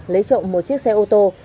lấy trộm một chiếc xe ô tô